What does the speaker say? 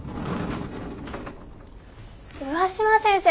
上嶋先生